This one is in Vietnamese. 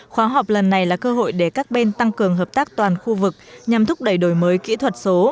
khóa học lần này là cơ hội để các bên tăng cường hợp tác toàn khu vực nhằm thúc đẩy đổi mới kỹ thuật số